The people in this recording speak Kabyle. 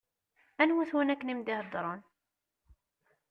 Anwa-t win akken i m-d-iheddṛen?